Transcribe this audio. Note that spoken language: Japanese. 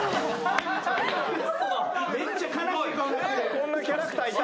こんなキャラクターいた。